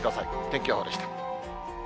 天気予報でした。